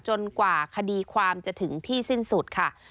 กว่าคดีความจะถึงที่สิ้นสุดค่ะ